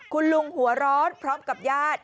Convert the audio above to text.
คุณลุงหัวร้อนพร้อมกับญาติ